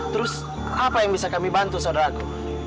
terus apa yang bisa kami bantu saudaraku